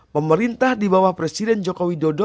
pemerintah di bawah presiden jokowi dodo